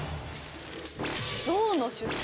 ゾウの出産。